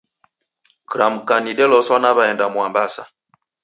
Kuramka nideloswa naw'aenda Mwambasa.